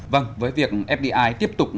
vâng với việc fdi tiếp tục